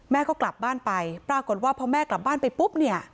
แม่ก็กลับบ้านไปปรากฏว่าพอแม่กลับบ้านไปปุ๊บเนี่ย